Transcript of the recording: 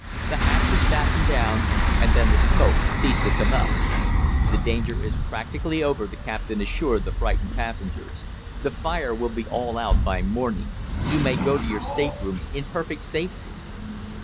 The hatch was battened down, and then the smoke ceased to come up. "The danger is practically over," the captain assured the frightened passengers. "The fire will be all out by morning. You may go to your staterooms in perfect safety."